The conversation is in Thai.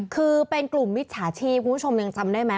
คือเป็นกลุ่มมิจฉาชีพคุณผู้ชมยังจำได้ไหม